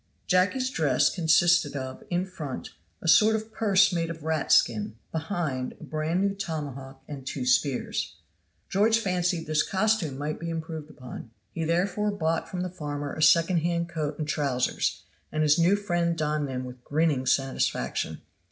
Jacky's dress consisted of, in front, a sort of purse made of rat skin; behind, a bran new tomahawk and two spears. George fancied this costume might be improved upon; he therefore bought from the farmer a second hand coat and trousers and his new friend donned them with grinning satisfaction.